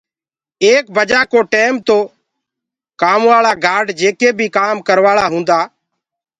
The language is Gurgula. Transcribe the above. ايڪ بجآ ڪو ٽيم تو تو ورڪر اور گآرڊ جيڪي بي ڪآم ڪروآݪآ هوندآ،